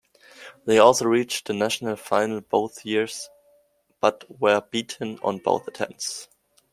They also reached the national final both years but were beaten on both attempts.